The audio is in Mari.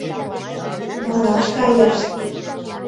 Малаш кайышт.